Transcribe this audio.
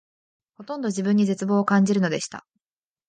ほとんど自分に絶望を感じるのでした